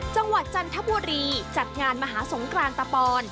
จันทบุรีจัดงานมหาสงกรานตะปอน